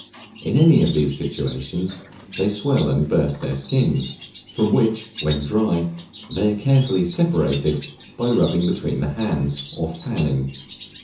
In any of these situations, they swell and burst their skins, from which, when dry, they are carefully separated by rubbing between the hands, or fanning.